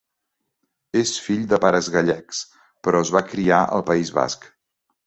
És fill de pares gallecs, però es va criar al País Basc.